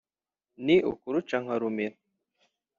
ni ukuruca nkarumira.